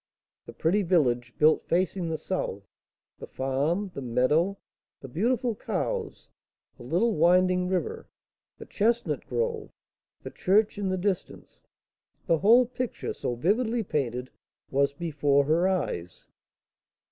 The pretty village, built facing the south, the farm, the meadow, the beautiful cows, the little winding river, the chestnut grove, the church in the distance, the whole picture, so vividly painted, was before her eyes.